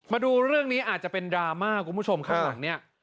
มาดูเรื่องนี้อาจจะเป็นดราม่าคุณผู้ชมข้างหลังเนี่ย